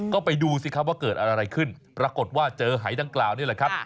ก็ไปดูสิครับว่าเกิดอะไรขึ้นปรากฏว่าเจอหายดังกล่าวนี่แหละครับ